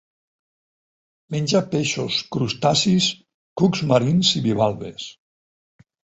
Menja peixos, crustacis, cucs marins i bivalves.